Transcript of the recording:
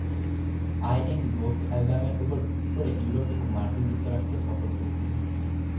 I am ghost অ্যালবামের উপর ভিত্তি করে ইউরোপ এবং মার্কিন যুক্তরাষ্ট্র সফর করেছিল।